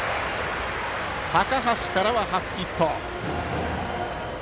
高橋からは初ヒット。